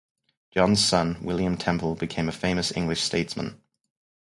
John's son William Temple became a famous English statesman.